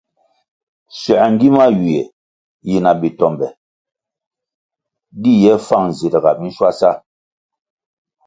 Soē ngima ywie yi na bi tombe di ye fang zirga minshwasa.